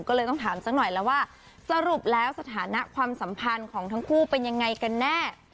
ก็เลยต้องถามสักหน่อยแล้วว่าสรุปแล้วสถานะความสัมพันธ์ของทั้งคู่เป็นยังไงกันแน่